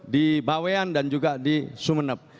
di bawean dan juga di sumeneb